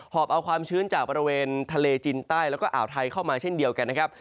อบเอาความชื้นจากบริเวณทะเลจินใต้แล้วก็อ่าวไทยเข้ามาเช่นเดียวกันนะครับ